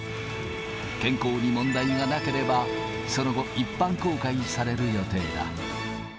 健康に問題がなければ、その後、一般公開される予定だ。